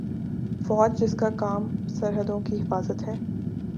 فوج جس کا کام سرحدوں کی حفاظت ہے